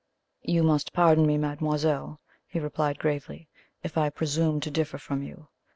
"You must pardon me, mademoiselle," he replied gravely, "if I presume to differ from you.